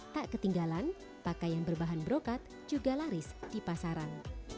tak ketinggalan pakaian berbahan brokat juga laris di pasaran